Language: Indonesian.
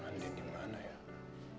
andin dimana ya